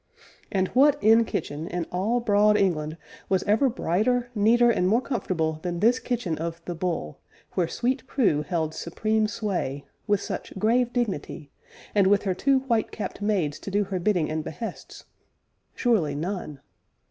And what inn kitchen, in all broad England, was ever brighter, neater, and more comfortable than this kitchen of "The Bull," where sweet Prue held supreme sway, with such grave dignity, and with her two white capped maids to do her bidding and behests? surely none.